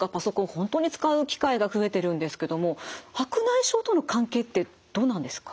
本当に使う機会が増えてるんですけども白内障との関係ってどうなんですか？